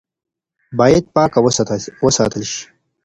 باید پاکه وساتل شي.